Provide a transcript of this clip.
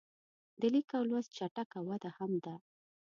د لیک او لوست چټکه وده هم ده.